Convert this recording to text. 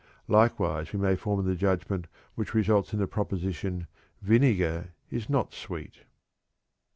Likewise, we may form the judgment which results in the proposition: "Vinegar is not sweet."